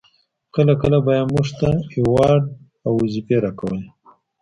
کله کله به يې موږ ته اوراد او وظيفې راکولې.